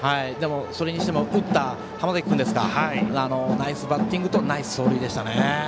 それにしても打った浜崎君ですかナイスバッティングとナイス走塁でしたね。